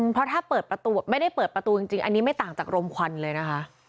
เพราะถ้าเปิดประตูไม่ได้เปิดประตูจริงอันนี้ไม่ต่างจากรมควันเลยนะคะ